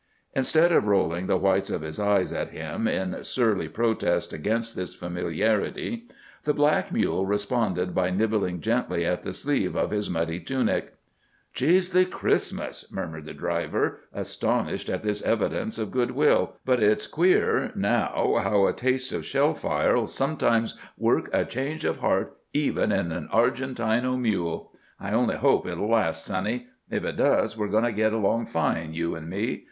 Instead of rolling the whites of his eyes at him, in surly protest against this familiarity, the black mule responded by nibbling gently at the sleeve of his muddy tunic. "Geezely Christmas," murmured the driver, astonished at this evidence of goodwill, "but it's queer, now, how a taste o' shell fire'll sometimes work a change o' heart, even in an Argentino mule. I only hope it'll last, Sonny. If it does, we're goin' to git along fine, you an' me."